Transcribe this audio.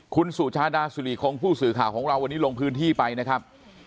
คุณสุชาดาสุริคงผู้สื่อข่าวของเราวันนี้ลงพื้นที่ไปนะครับ